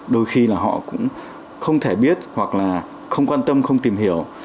đôi khi là họ cũng không thể biết hoặc là không quan tâm không tìm hiểu